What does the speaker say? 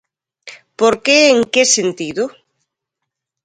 Por que e en que sentido?